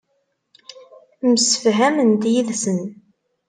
Msefhament yid-sen.